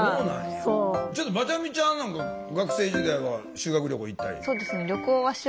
ちょっとまちゃみちゃんなんか学生時代は修学旅行行ったり？